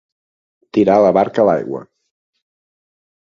Tirar la barca a l'aigua.